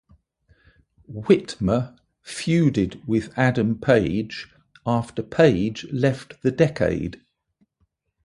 Whitmer feuded with Adam Page after Page left The Decade.